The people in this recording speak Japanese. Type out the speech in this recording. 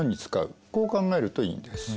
こう考えるといいんです。